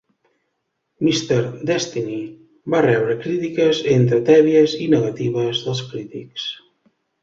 "Mr. Destiny" va rebre crítiques entre tèbies i negatives dels crítics.